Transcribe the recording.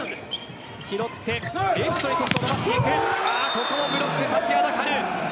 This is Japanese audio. ここのブロックが立ちはだかる。